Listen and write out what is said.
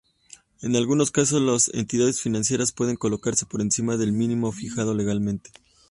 En algunos casos, las entidades financieras pueden colocarse por encima del mínimo fijado legalmente.